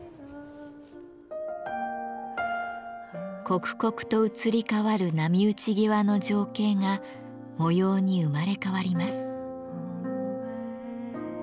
刻々と移り変わる波打ち際の情景が模様に生まれ変わります。